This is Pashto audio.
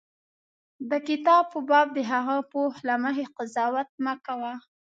د کتاب په باب د هغه د پوښ له مخې قضاوت مه کوه.